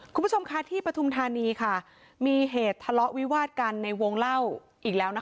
คุณผู้ชมค่ะที่ปฐุมธานีค่ะมีเหตุทะเลาะวิวาดกันในวงเล่าอีกแล้วนะคะ